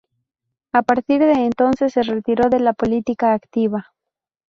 A partir de entonces se retiró de la política activa.